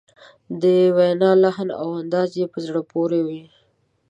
د وینا لحن او انداز یې په زړه پورې وي.